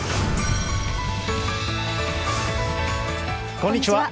こんにちは。